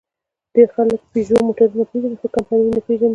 ډېر خلک پيژو موټرونه پېژني؛ خو کمپنۍ یې نه پېژني.